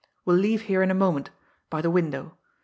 "We'll leave here in a moment by the window.